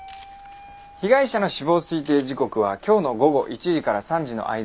被害者の死亡推定時刻は今日の午後１時から３時の間だそうです。